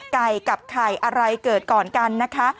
ไก่กับไข่อะไรเกิดก่อนกันนะคะ